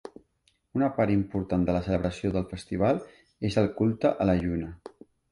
Una part important de la celebració del festival és el culte a la lluna.